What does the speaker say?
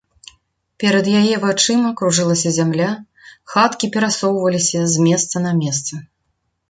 Перад яе вачыма кружылася зямля, хаткі перасоўваліся з месца на месца.